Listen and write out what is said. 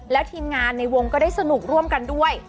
แล้วทีมงานในวงก็ได้สนุกร่วมกันด้วย